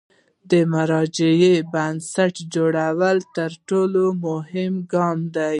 د مرجع بنسټ جوړول تر ټولو مهم ګام دی.